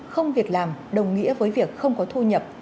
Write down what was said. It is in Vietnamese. không việc làm đồng nghĩa với việc không có thu nhập